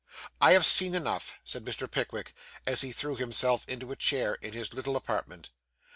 'I have seen enough,' said Mr. Pickwick, as he threw himself into a chair in his little apartment.